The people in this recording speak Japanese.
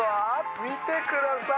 見てください！